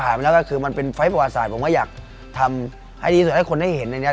ได้ว่ามันเป็นไฟล์ผู้อาศัยเพิ่มให้ดีแล้วให้คนให้เห็น